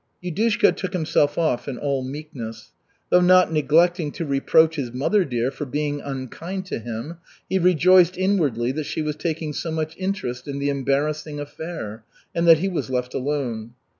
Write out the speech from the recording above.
Yudushka took himself off in all meekness. Though not neglecting to reproach his mother dear for being unkind to him, he rejoiced inwardly that she was taking so much interest in the embarrassing affair, and that he was left alone.